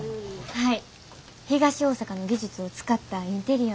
はい。